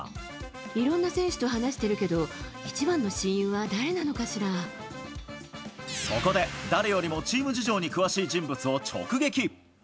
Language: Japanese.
いろんな選手と話してるけど、そこで、誰よりもチーム事情に詳しい人物を直撃。